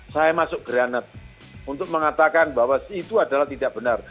saya masuk granat untuk mengatakan bahwa itu adalah tidak benar